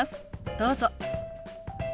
どうぞ。